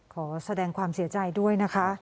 ขอแสดงความเสียใจด้วยนะคะ